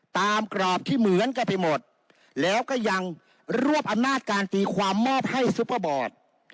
กรอบที่เหมือนกันไปหมดแล้วก็ยังรวบอำนาจการตีความมอบให้ซุปเปอร์บอร์ด